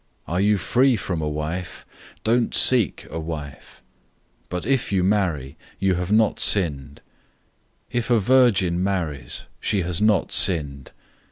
Are you free from a wife? Don't seek a wife. 007:028 But if you marry, you have not sinned. If a virgin marries, she has not sinned.